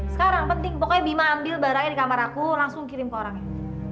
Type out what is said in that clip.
sekarang penting pokoknya bima ambil barangnya di kamar aku langsung kirim ke orangnya